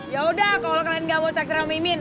yaudah kalo kalian ga mau traktir sama mimin